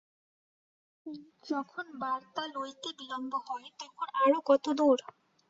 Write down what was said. যখন বার্তা লইতে বিলম্ব হয়, তখন আরও কত দূর!